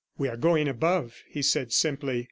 "We are going above," he said simply.